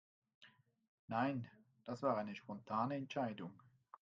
Nein, das war eine spontane Entscheidung.